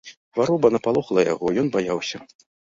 Хвароба напалохала яго, ён баяўся.